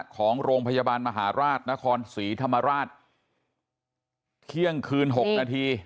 ของโรงพยาบาลมหาราชนครศรีธรรมราชเที่ยงคืน๖นาที